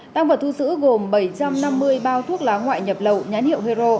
tăng vật thu giữ gồm bảy trăm năm mươi bao thuốc lá ngoại nhập lậu nhãn hiệu hero